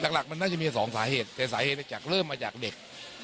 หลักมันน่าจะมีสองสาเหตุแต่สาเหตุจากเริ่มมาจากเด็ก